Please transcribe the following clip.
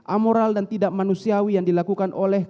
amoral dan tidak manusiawi yang dilakukan oleh